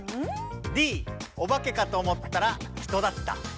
Ｄおばけかと思ったら人だった。